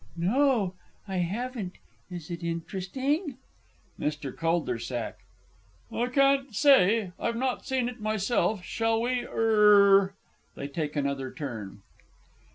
No, I haven't. Is it interesting? MR. CULDERSACK. I can't say. I've not seen it myself. Shall we er ? [_They take another turn.